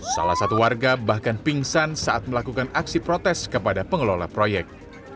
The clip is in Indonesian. salah satu warga bahkan pingsan saat melakukan aksi protes kepada pengelola proyek